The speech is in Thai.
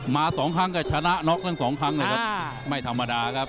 สองครั้งก็ชนะน็อกทั้งสองครั้งเลยครับไม่ธรรมดาครับ